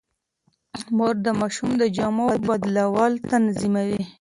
مور د ماشوم د جامو بدلول تنظيموي.